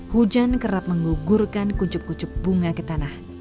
hujan kerap mengugurkan kuncup kucup bunga ke tanah